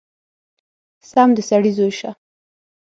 سم د سړي زوی شه!!!